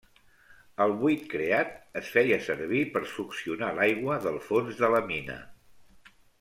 El buit creat es feia servir per succionar l'aigua del fons de la mina.